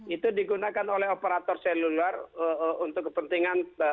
itu digunakan oleh operator seluler untuk kepentingan